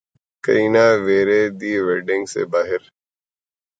Kareena Veere Di wedding سے باہر